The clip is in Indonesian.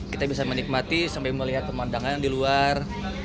kita bisa menikmati sampai melihat pemandangan di luar